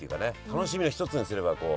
楽しみの一つにすればこう。